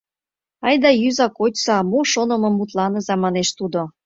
— Айда йӱза, кочса, мо шонымым мутланыза, — манеш тудо.